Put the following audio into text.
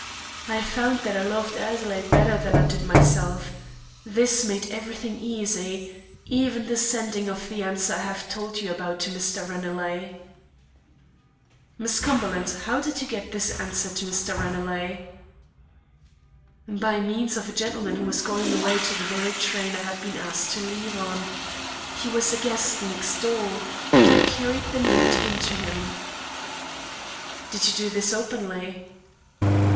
I found that I loved Adelaide better than I did myself. This made everything easy, even the sending of the answer I have told you about to Mr. Ranelagh." "Miss Cumberland, how did you get this answer to Mr. Ranelagh?" "By means of a gentleman who was going away on the very train I had been asked to leave on. He was a guest next door, and I carried the note in to him." "Did you do this openly?"